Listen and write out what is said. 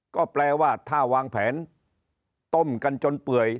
ก็แปลว่าถ้าวางแผนต้มกันจนเปื่อย